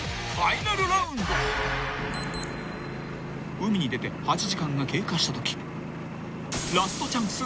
［海に出て８時間が経過したとき］